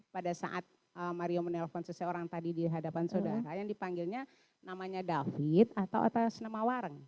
pada saat mario menelpon seseorang tadi di hadapan saudara yang dipanggilnya namanya david atau atas nama wareng